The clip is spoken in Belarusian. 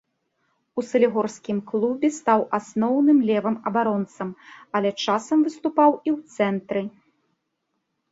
У салігорскім клубе стаў асноўным левым абаронцам, але часам выступаў і ў цэнтры.